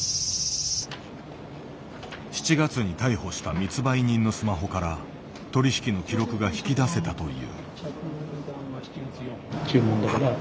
７月に逮捕した密売人のスマホから取り引きの記録が引き出せたという。